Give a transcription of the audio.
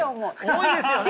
重いですよね。